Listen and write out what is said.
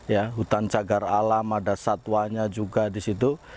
ya hutan cagar alam ada satwanya juga di situ